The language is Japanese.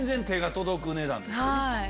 手が届く値段で。